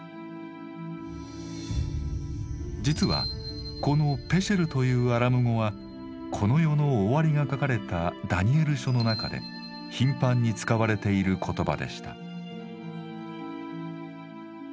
実はこの「ぺシェル」というアラム語はこの世の終わりが書かれた「ダニエル書」の中で頻繁に使われている言葉でした。